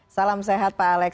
salam sehat pak alex